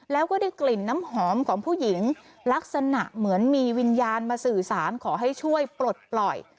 แล้วก็ได้กลิ่นน้ำหอมของผู้หญิงลักษณะเหมือนมีวิญญาณมาสื่อสารขอให้ช่วยปลดปล่อย